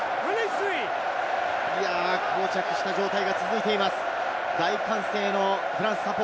こう着した状態が続いています。